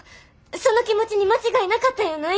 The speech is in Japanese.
その気持ちに間違いなかったんやないの？